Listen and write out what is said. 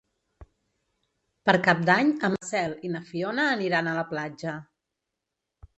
Per Cap d'Any en Marcel i na Fiona aniran a la platja.